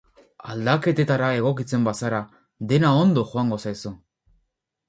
Aldaketetara egokitzen bazara, dena ondo joango zaizu.